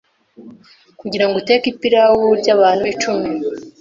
Kugirango uteke ipirawu y'abantu icumi